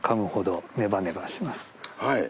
はい。